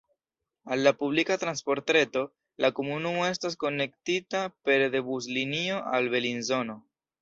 Al la publika transportreto la komunumo estas konektita pere de buslinio al Belinzono.